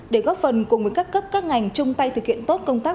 để góp phần cùng với các cấp các ngành chung tay thực hiện tốt công tác